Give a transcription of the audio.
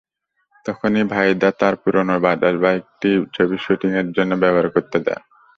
তখনই ভাইদা তাঁর পুরোনো বাজাজ বাইকটি ছবির শুটিংয়ের জন্য ব্যবহার করতে দেন।